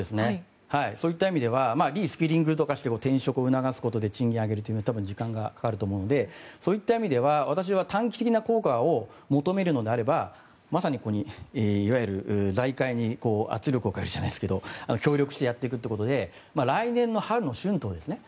そういった意味ではリスピリングとかをして転職を促すという意味で賃上げは時間がかかると思うのでそういった意味では私は短期的な効果を求めるのであればまさにここにいわゆる、財界に圧力をかけるじゃないですが極力してやっていくということで来年の春の春闘ですね